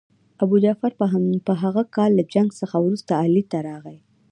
ابوجعفر په هغه کال له جنګ څخه وروسته علي ته راغی.